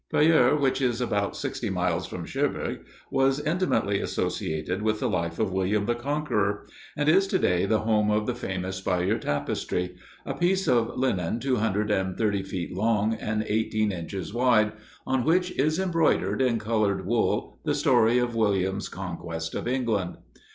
Bayeux, which is about sixty miles from Cherbourg, was intimately associated with the life of William the Conqueror, and is to day the home of the famous Bayeux tapestry, a piece of linen two hundred and thirty feet long and eighteen inches wide, on which is embroidered in colored wool the story of William's conquest of England.